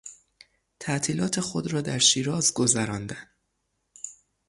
تعطیلات خود را در شیراز گذراندن